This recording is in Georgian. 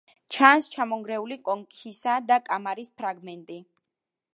ჩანს ჩამონგრეული კონქისა და კამარის ფრაგმენტი.